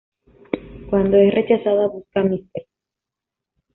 Cuando es rechazada busca a Mr.